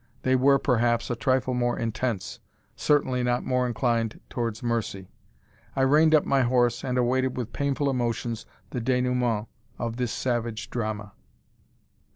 They were, perhaps, a trifle more intense; certainly not more inclined towards mercy. I reined up my horse, and awaited with painful emotions the denouement of this savage drama.